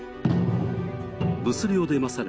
物量で勝る